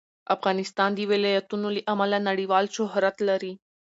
افغانستان د ولایتونو له امله نړیوال شهرت لري.